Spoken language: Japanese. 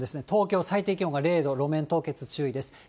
東京、最低気温が０度、路面凍結注意です。